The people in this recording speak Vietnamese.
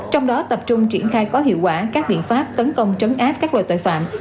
trong đó tập trung triển khai có hiệu quả các biện pháp tấn công trấn áp các loại tội phạm